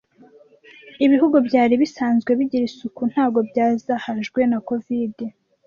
Ibihugu byari bisanzwe bigira isuku ntago byazahajwe na COVID